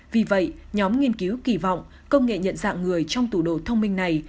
vì vậy nhóm nghiên cứu kỳ vọng công nghệ nhận dạng người trong tủ đồ thông minh này